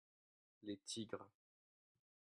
Les tigres.